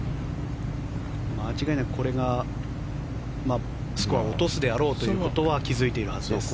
間違いなくこれがスコアを落とすであろうということは気付いているはずです。